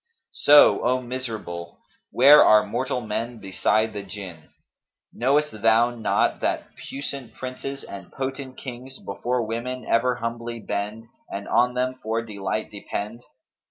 So, O miserable! where are mortal men beside the Jinn? Knowest thou not that puissant princes and potent Kings before women ever humbly bend and on them for delight depend?